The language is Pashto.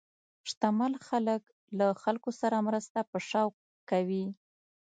شتمن خلک له خلکو سره مرسته په شوق کوي.